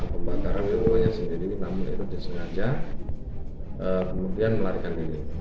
pelaku yang diduga pelanggan kebakaran